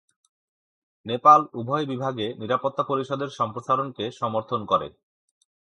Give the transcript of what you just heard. নেপাল উভয় বিভাগে নিরাপত্তা পরিষদের সম্প্রসারণকে সমর্থন করে।